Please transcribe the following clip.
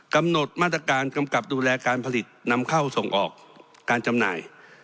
กำหนดมาตรการกำกับดูแลการผลิตนำเข้าส่งออกการจำหน่าย